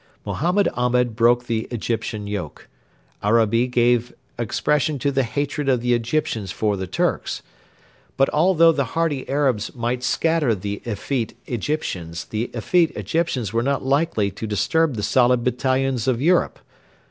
Mohammed Ahmed broke the Egyptian yoke; Arabi gave expression to the hatred of the Egyptians for the Turks. But although the hardy Arabs might scatter the effete Egyptians, the effete Egyptians were not likely to disturb the solid battalions of Europe.